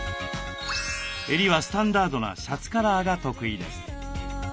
襟はスタンダードなシャツカラーが得意です。